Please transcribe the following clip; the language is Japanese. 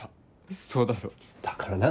そうだろ？だから何だよ。